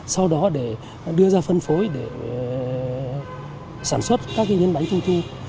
sau đó để đưa ra phân phối để sản xuất các nhân bánh trung thu